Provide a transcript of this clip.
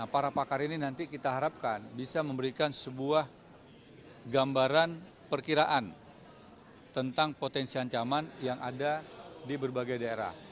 para pakar ini nanti kita harapkan bisa memberikan sebuah gambaran perkiraan tentang potensi ancaman yang ada di berbagai daerah